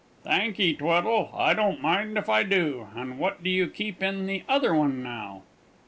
"Thank 'ee, Tweddle; I don't mind if I do. And what do you keep in the other one, now?"